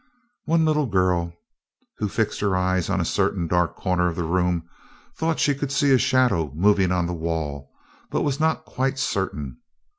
One little girl, who fixed her eyes on a certain dark corner of the room, thought she could see a shadow moving on the wall, but was not quite certain.